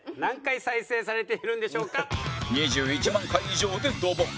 ２１万回以上でドボン！